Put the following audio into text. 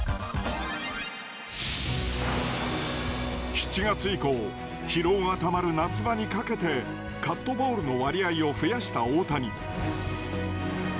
７月以降疲労がたまる夏場にかけてカットボールの割合を増やした大谷。